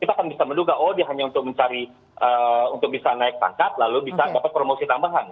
kita akan bisa menduga oh dia hanya untuk mencari untuk bisa naik pangkat lalu bisa dapat promosi tambahan